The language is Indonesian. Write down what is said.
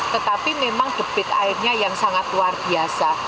tetapi memang debit airnya yang sangat luar biasa